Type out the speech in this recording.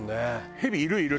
ヘビいるいる！